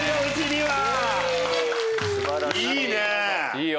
いいよ！